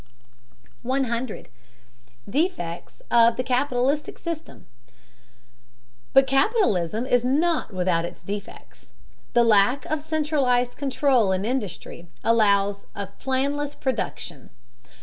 100. DEFECTS OF THE CAPITALISTIC SYSTEM. But capitalism is not without its defects. The lack of centralized control in industry allows of planless production.